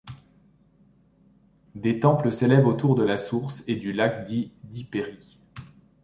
Des temples s'élèvent autour de la source et du lac dits d'Hypérie.